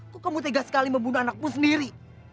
kok kamu tegas sekali membunuh anakmu sendiri